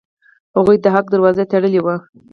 هغوی د حق دروازه تړلې وه.